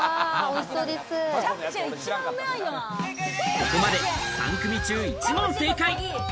ここまで３組中、１問正解。